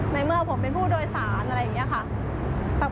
ในเมื่อผมเป็นผู้โดยสารอะไรอย่างนี้ค่ะ